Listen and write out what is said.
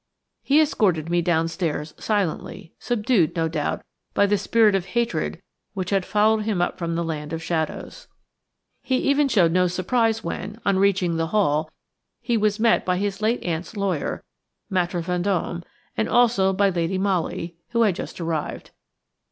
He escorted me downstairs silently, subdued, no doubt, by the spirit of hatred which had followed him up from the land of shadows. He even showed no surprise when, on reaching the hall, he was met by his late aunt's lawyer, Maître Vendôme, and also by Lady Molly, who had just arrived.